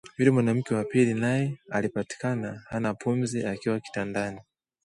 Yule mwanamke wa pili naye alipatikana hana pumzi akiwa kitandani